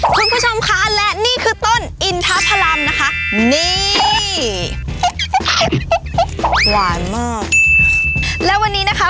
คุณผู้ชมคะและนี่คือต้นอินทพรรมนะคะนี่หวานมากและวันนี้นะคะ